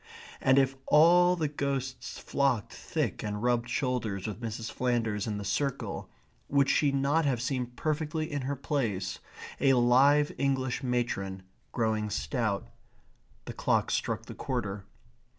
and if all the ghosts flocked thick and rubbed shoulders with Mrs. Flanders in the circle, would she not have seemed perfectly in her place, a live English matron, growing stout? The clock struck the quarter.